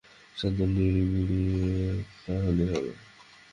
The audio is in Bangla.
শান্ত-নিড়িবিড়ি একটা হলেই হবে।